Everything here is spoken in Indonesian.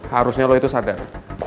harusnya lo itu sadar